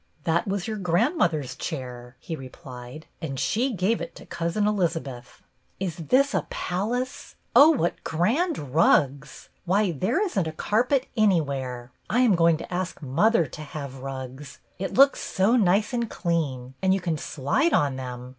" That was your grandmother's chair," he replied, "and she gave it to Cousin Eliza beth." AT LAST THE DAY! 43 " Is this a palace ? Oh, what grand rugs ! Why, there is n't a carpet anywhere. I am going to ask mother to have rugs. It looks so nice and clean ; and you can slide on them